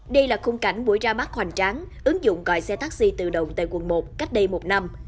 đây là khung cảnh buổi ra mắt hoàn trang ứng dụng gọi xe taxi tự động tại quận một cách đây một năm